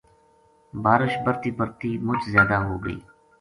بارش برتی برتی مُچ زیادہ ہو گئی